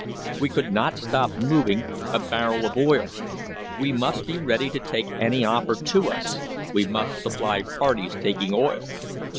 We could not stop moving a barrel of oil. We must be ready to take any offered to us; we must supply parties taking oil.